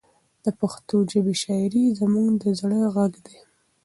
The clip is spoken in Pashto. د پښتو ژبې شاعري زموږ د زړه غږ دی.